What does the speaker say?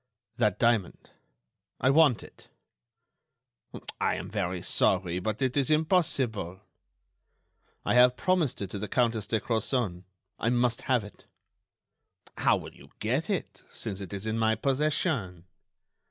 "That diamond—I want it." "I am very sorry, but it is impossible." "I have promised it to the Countess de Crozon. I must have it." "How will you get it, since it is in my possession?"